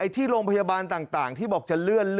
ที่โรงพยาบาลต่างที่บอกจะเลื่อน